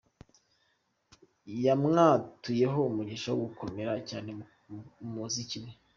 Yamwatuyeho umugisha wo gukomera cyane mu muziki we.